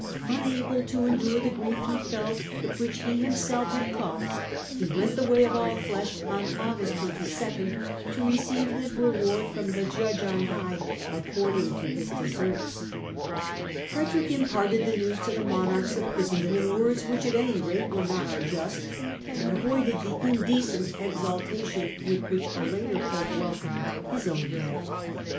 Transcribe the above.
" Unable to endure the grief he felt, but which he himself had caused, he went the way of all flesh on August 22nd, to receive his reward from the Judge on high, according to his deserts." 1 1 Matthew Paris. 202 STUPOR MUNDI Frederick imparted the news to the monarchs of Christendom in words which at any rate were not unjust and avoided the indecent exultation with which a later Pope welcomed his own death.